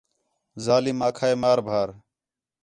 ظالم آکھا ہے مار بھار